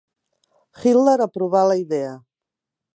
Hitler aprovà la idea.